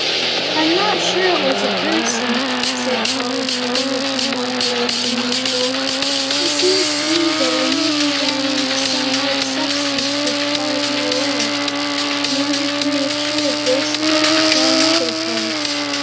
"I'm not sure it was a person," said Polychrome, looking more grave than usual. "It seems to me that I merely ran into some hard substance which barred my way. In order to make sure of this, let me try another place."